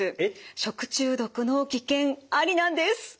食中毒の危険ありなんです。